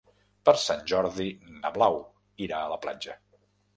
Per Sant Jordi na Blau irà a la platja.